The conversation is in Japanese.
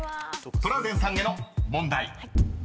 ［トラウデンさんへの問題］